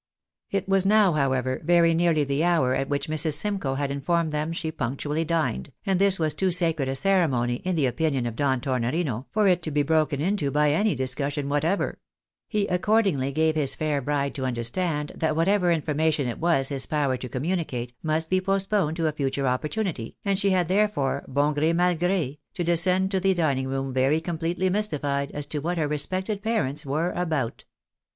It was now, however, very nearly the hom at which Mrs. Simcoe had informed them she punctually dined, and this was too sacred a ceremony, in the opinion of Don Tornorino, for it to be broken into by any discussion whatever ; he accordingly gave his fau' bride to understand that whatever information it was in his power to communicate, must be postponed to a future opportunity, and she had therefore, lion gre, mal gre, to descend to the dining room very completely mystified as to what her respected parents were about.